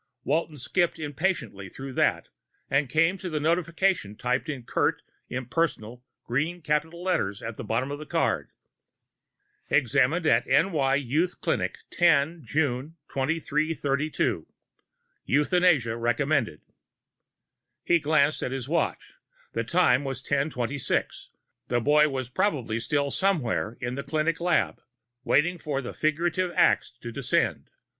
Walton skipped impatiently through that and came to the notification typed in curt, impersonal green capital letters at the bottom of the card: EXAMINED AT N Y EUTH CLINIC 10 JUNE 2332 EUTHANASIA RECOMMENDED He glanced at his watch: the time was 1026. The boy was probably still somewhere in the clinic lab, waiting for the figurative axe to descend.